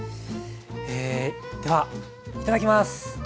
えではいただきます。